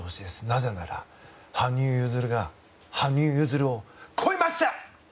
なぜなら、羽生結弦が羽生結弦を超えました！